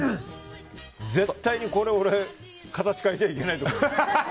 絶対にこれ形変えちゃいけない。